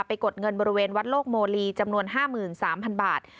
กดเงินบริเวณวัดโลกโมลีจำนวน๕๓๐๐๐บาท